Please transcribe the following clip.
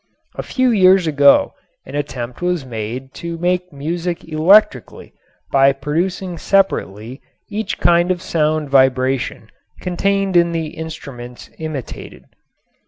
A few years ago an attempt was made to make music electrically by producing separately each kind of sound vibration contained in the instruments imitated.